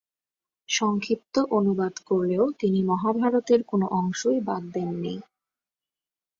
সংক্ষিপ্ত অনুবাদ করলেও তিনি মহাভারতের কোনো অংশই বাদ দেননি।